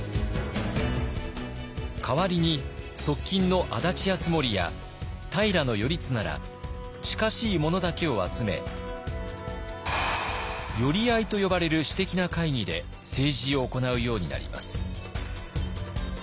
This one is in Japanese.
代わりに側近の安達泰盛や平頼綱ら近しい者だけを集め寄合と呼ばれる私的な会議で政治を行うようになります。